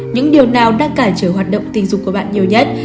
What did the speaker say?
những điều nào đang cản trở hoạt động tình dục của bạn nhiều nhất